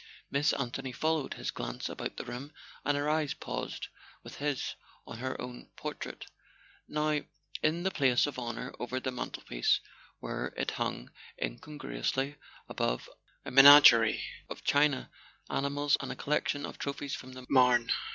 Miss Anthony followed his glance about the room, and her eyes paused with his on her own portrait, now in the place of honour over the mantelpiece, where it hung incongruously above a menagerie of china ani¬ mals and a collection of trophies from the Marne.